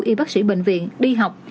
y bác sĩ bệnh viện đi học